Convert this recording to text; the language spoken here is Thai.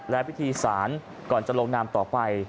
และพิธีศาลก่อนจะลงนามต่อไป